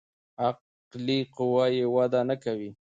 عقلي قوه يې وده نکوي.